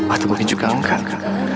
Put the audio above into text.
atau mungkin juga enggak